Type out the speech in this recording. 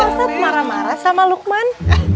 kenapa ustadz marah marah sama luqman